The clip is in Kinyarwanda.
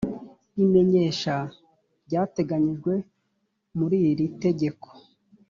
imenyesha ryateganyijwe muri iri tegeko